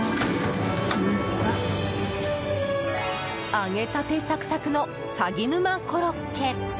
揚げたてサクサクのさぎ沼コロッケ。